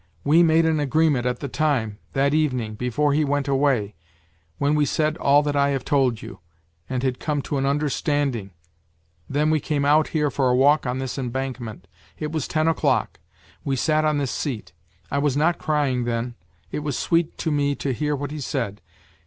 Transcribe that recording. We made an agreement at the time, that evening, before he went away : when we said all that I have told you, and had come to an understanding, then we came out here for a walk on this embankment. It was ten o'clock; we sat on this seat. I was not crying then ; it was sweet to me to hear what he said.